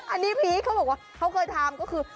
อันนี้พีชเขาบอกว่าเขาเคยทำก็คือ